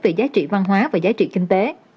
về giá trị văn hóa và giá trị kinh tế